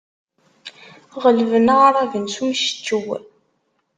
Ɣelben aɛraben s umceččew.